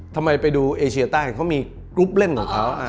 ทำไมไปดูเอเชียใต้เขามีกรุ๊ปเล่นของเขา